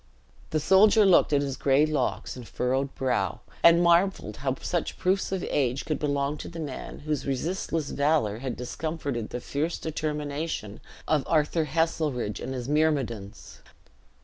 The soldier looked at his gray locks and furrowed brow, and marveled how such proofs of age could belong to the man whose resistless valor had discomfited the fierce determination of Arthus Heselrigge and his myrmidons.